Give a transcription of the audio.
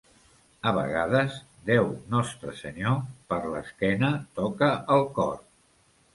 A vegades, Déu nostre senyor, per l'esquena toca el cor.